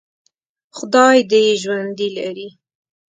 خدای دې یې ژوندي لري.